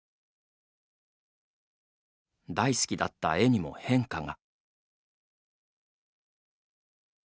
大好きだった絵にも変化が。